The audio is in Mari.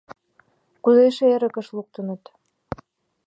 — Кузе эше эрыкыш луктыныт?